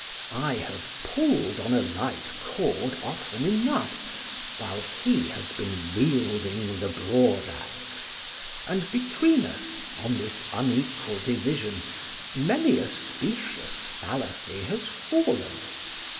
I have pulled on a light cord often enough, while he has been wielding the broad axe; and between us, on this unequal division, many a specious fallacy has fallen.